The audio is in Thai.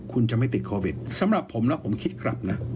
คุณจะไม่ติดโควิดสำหรับผมนะผมคิดกลับนะ